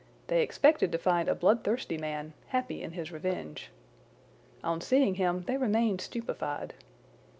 They expected to find a bloodthirsty man, happy in his revenge. On seeing him, they remained stupefied.